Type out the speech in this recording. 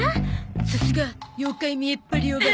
さすが妖怪見えっ張りオバ。